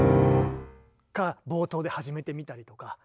が冒頭で始めてみたりとか。